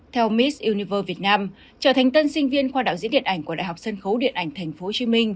theo miss universe việt nam trở thành tân sinh viên khoa đạo diễn điện ảnh của đại học dân khấu điện ảnh tp hcm